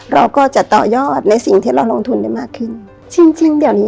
เราก็จะต่อยอดในสิ่งที่เราลงทุนได้มากขึ้นจริงจริงเดี๋ยวนี้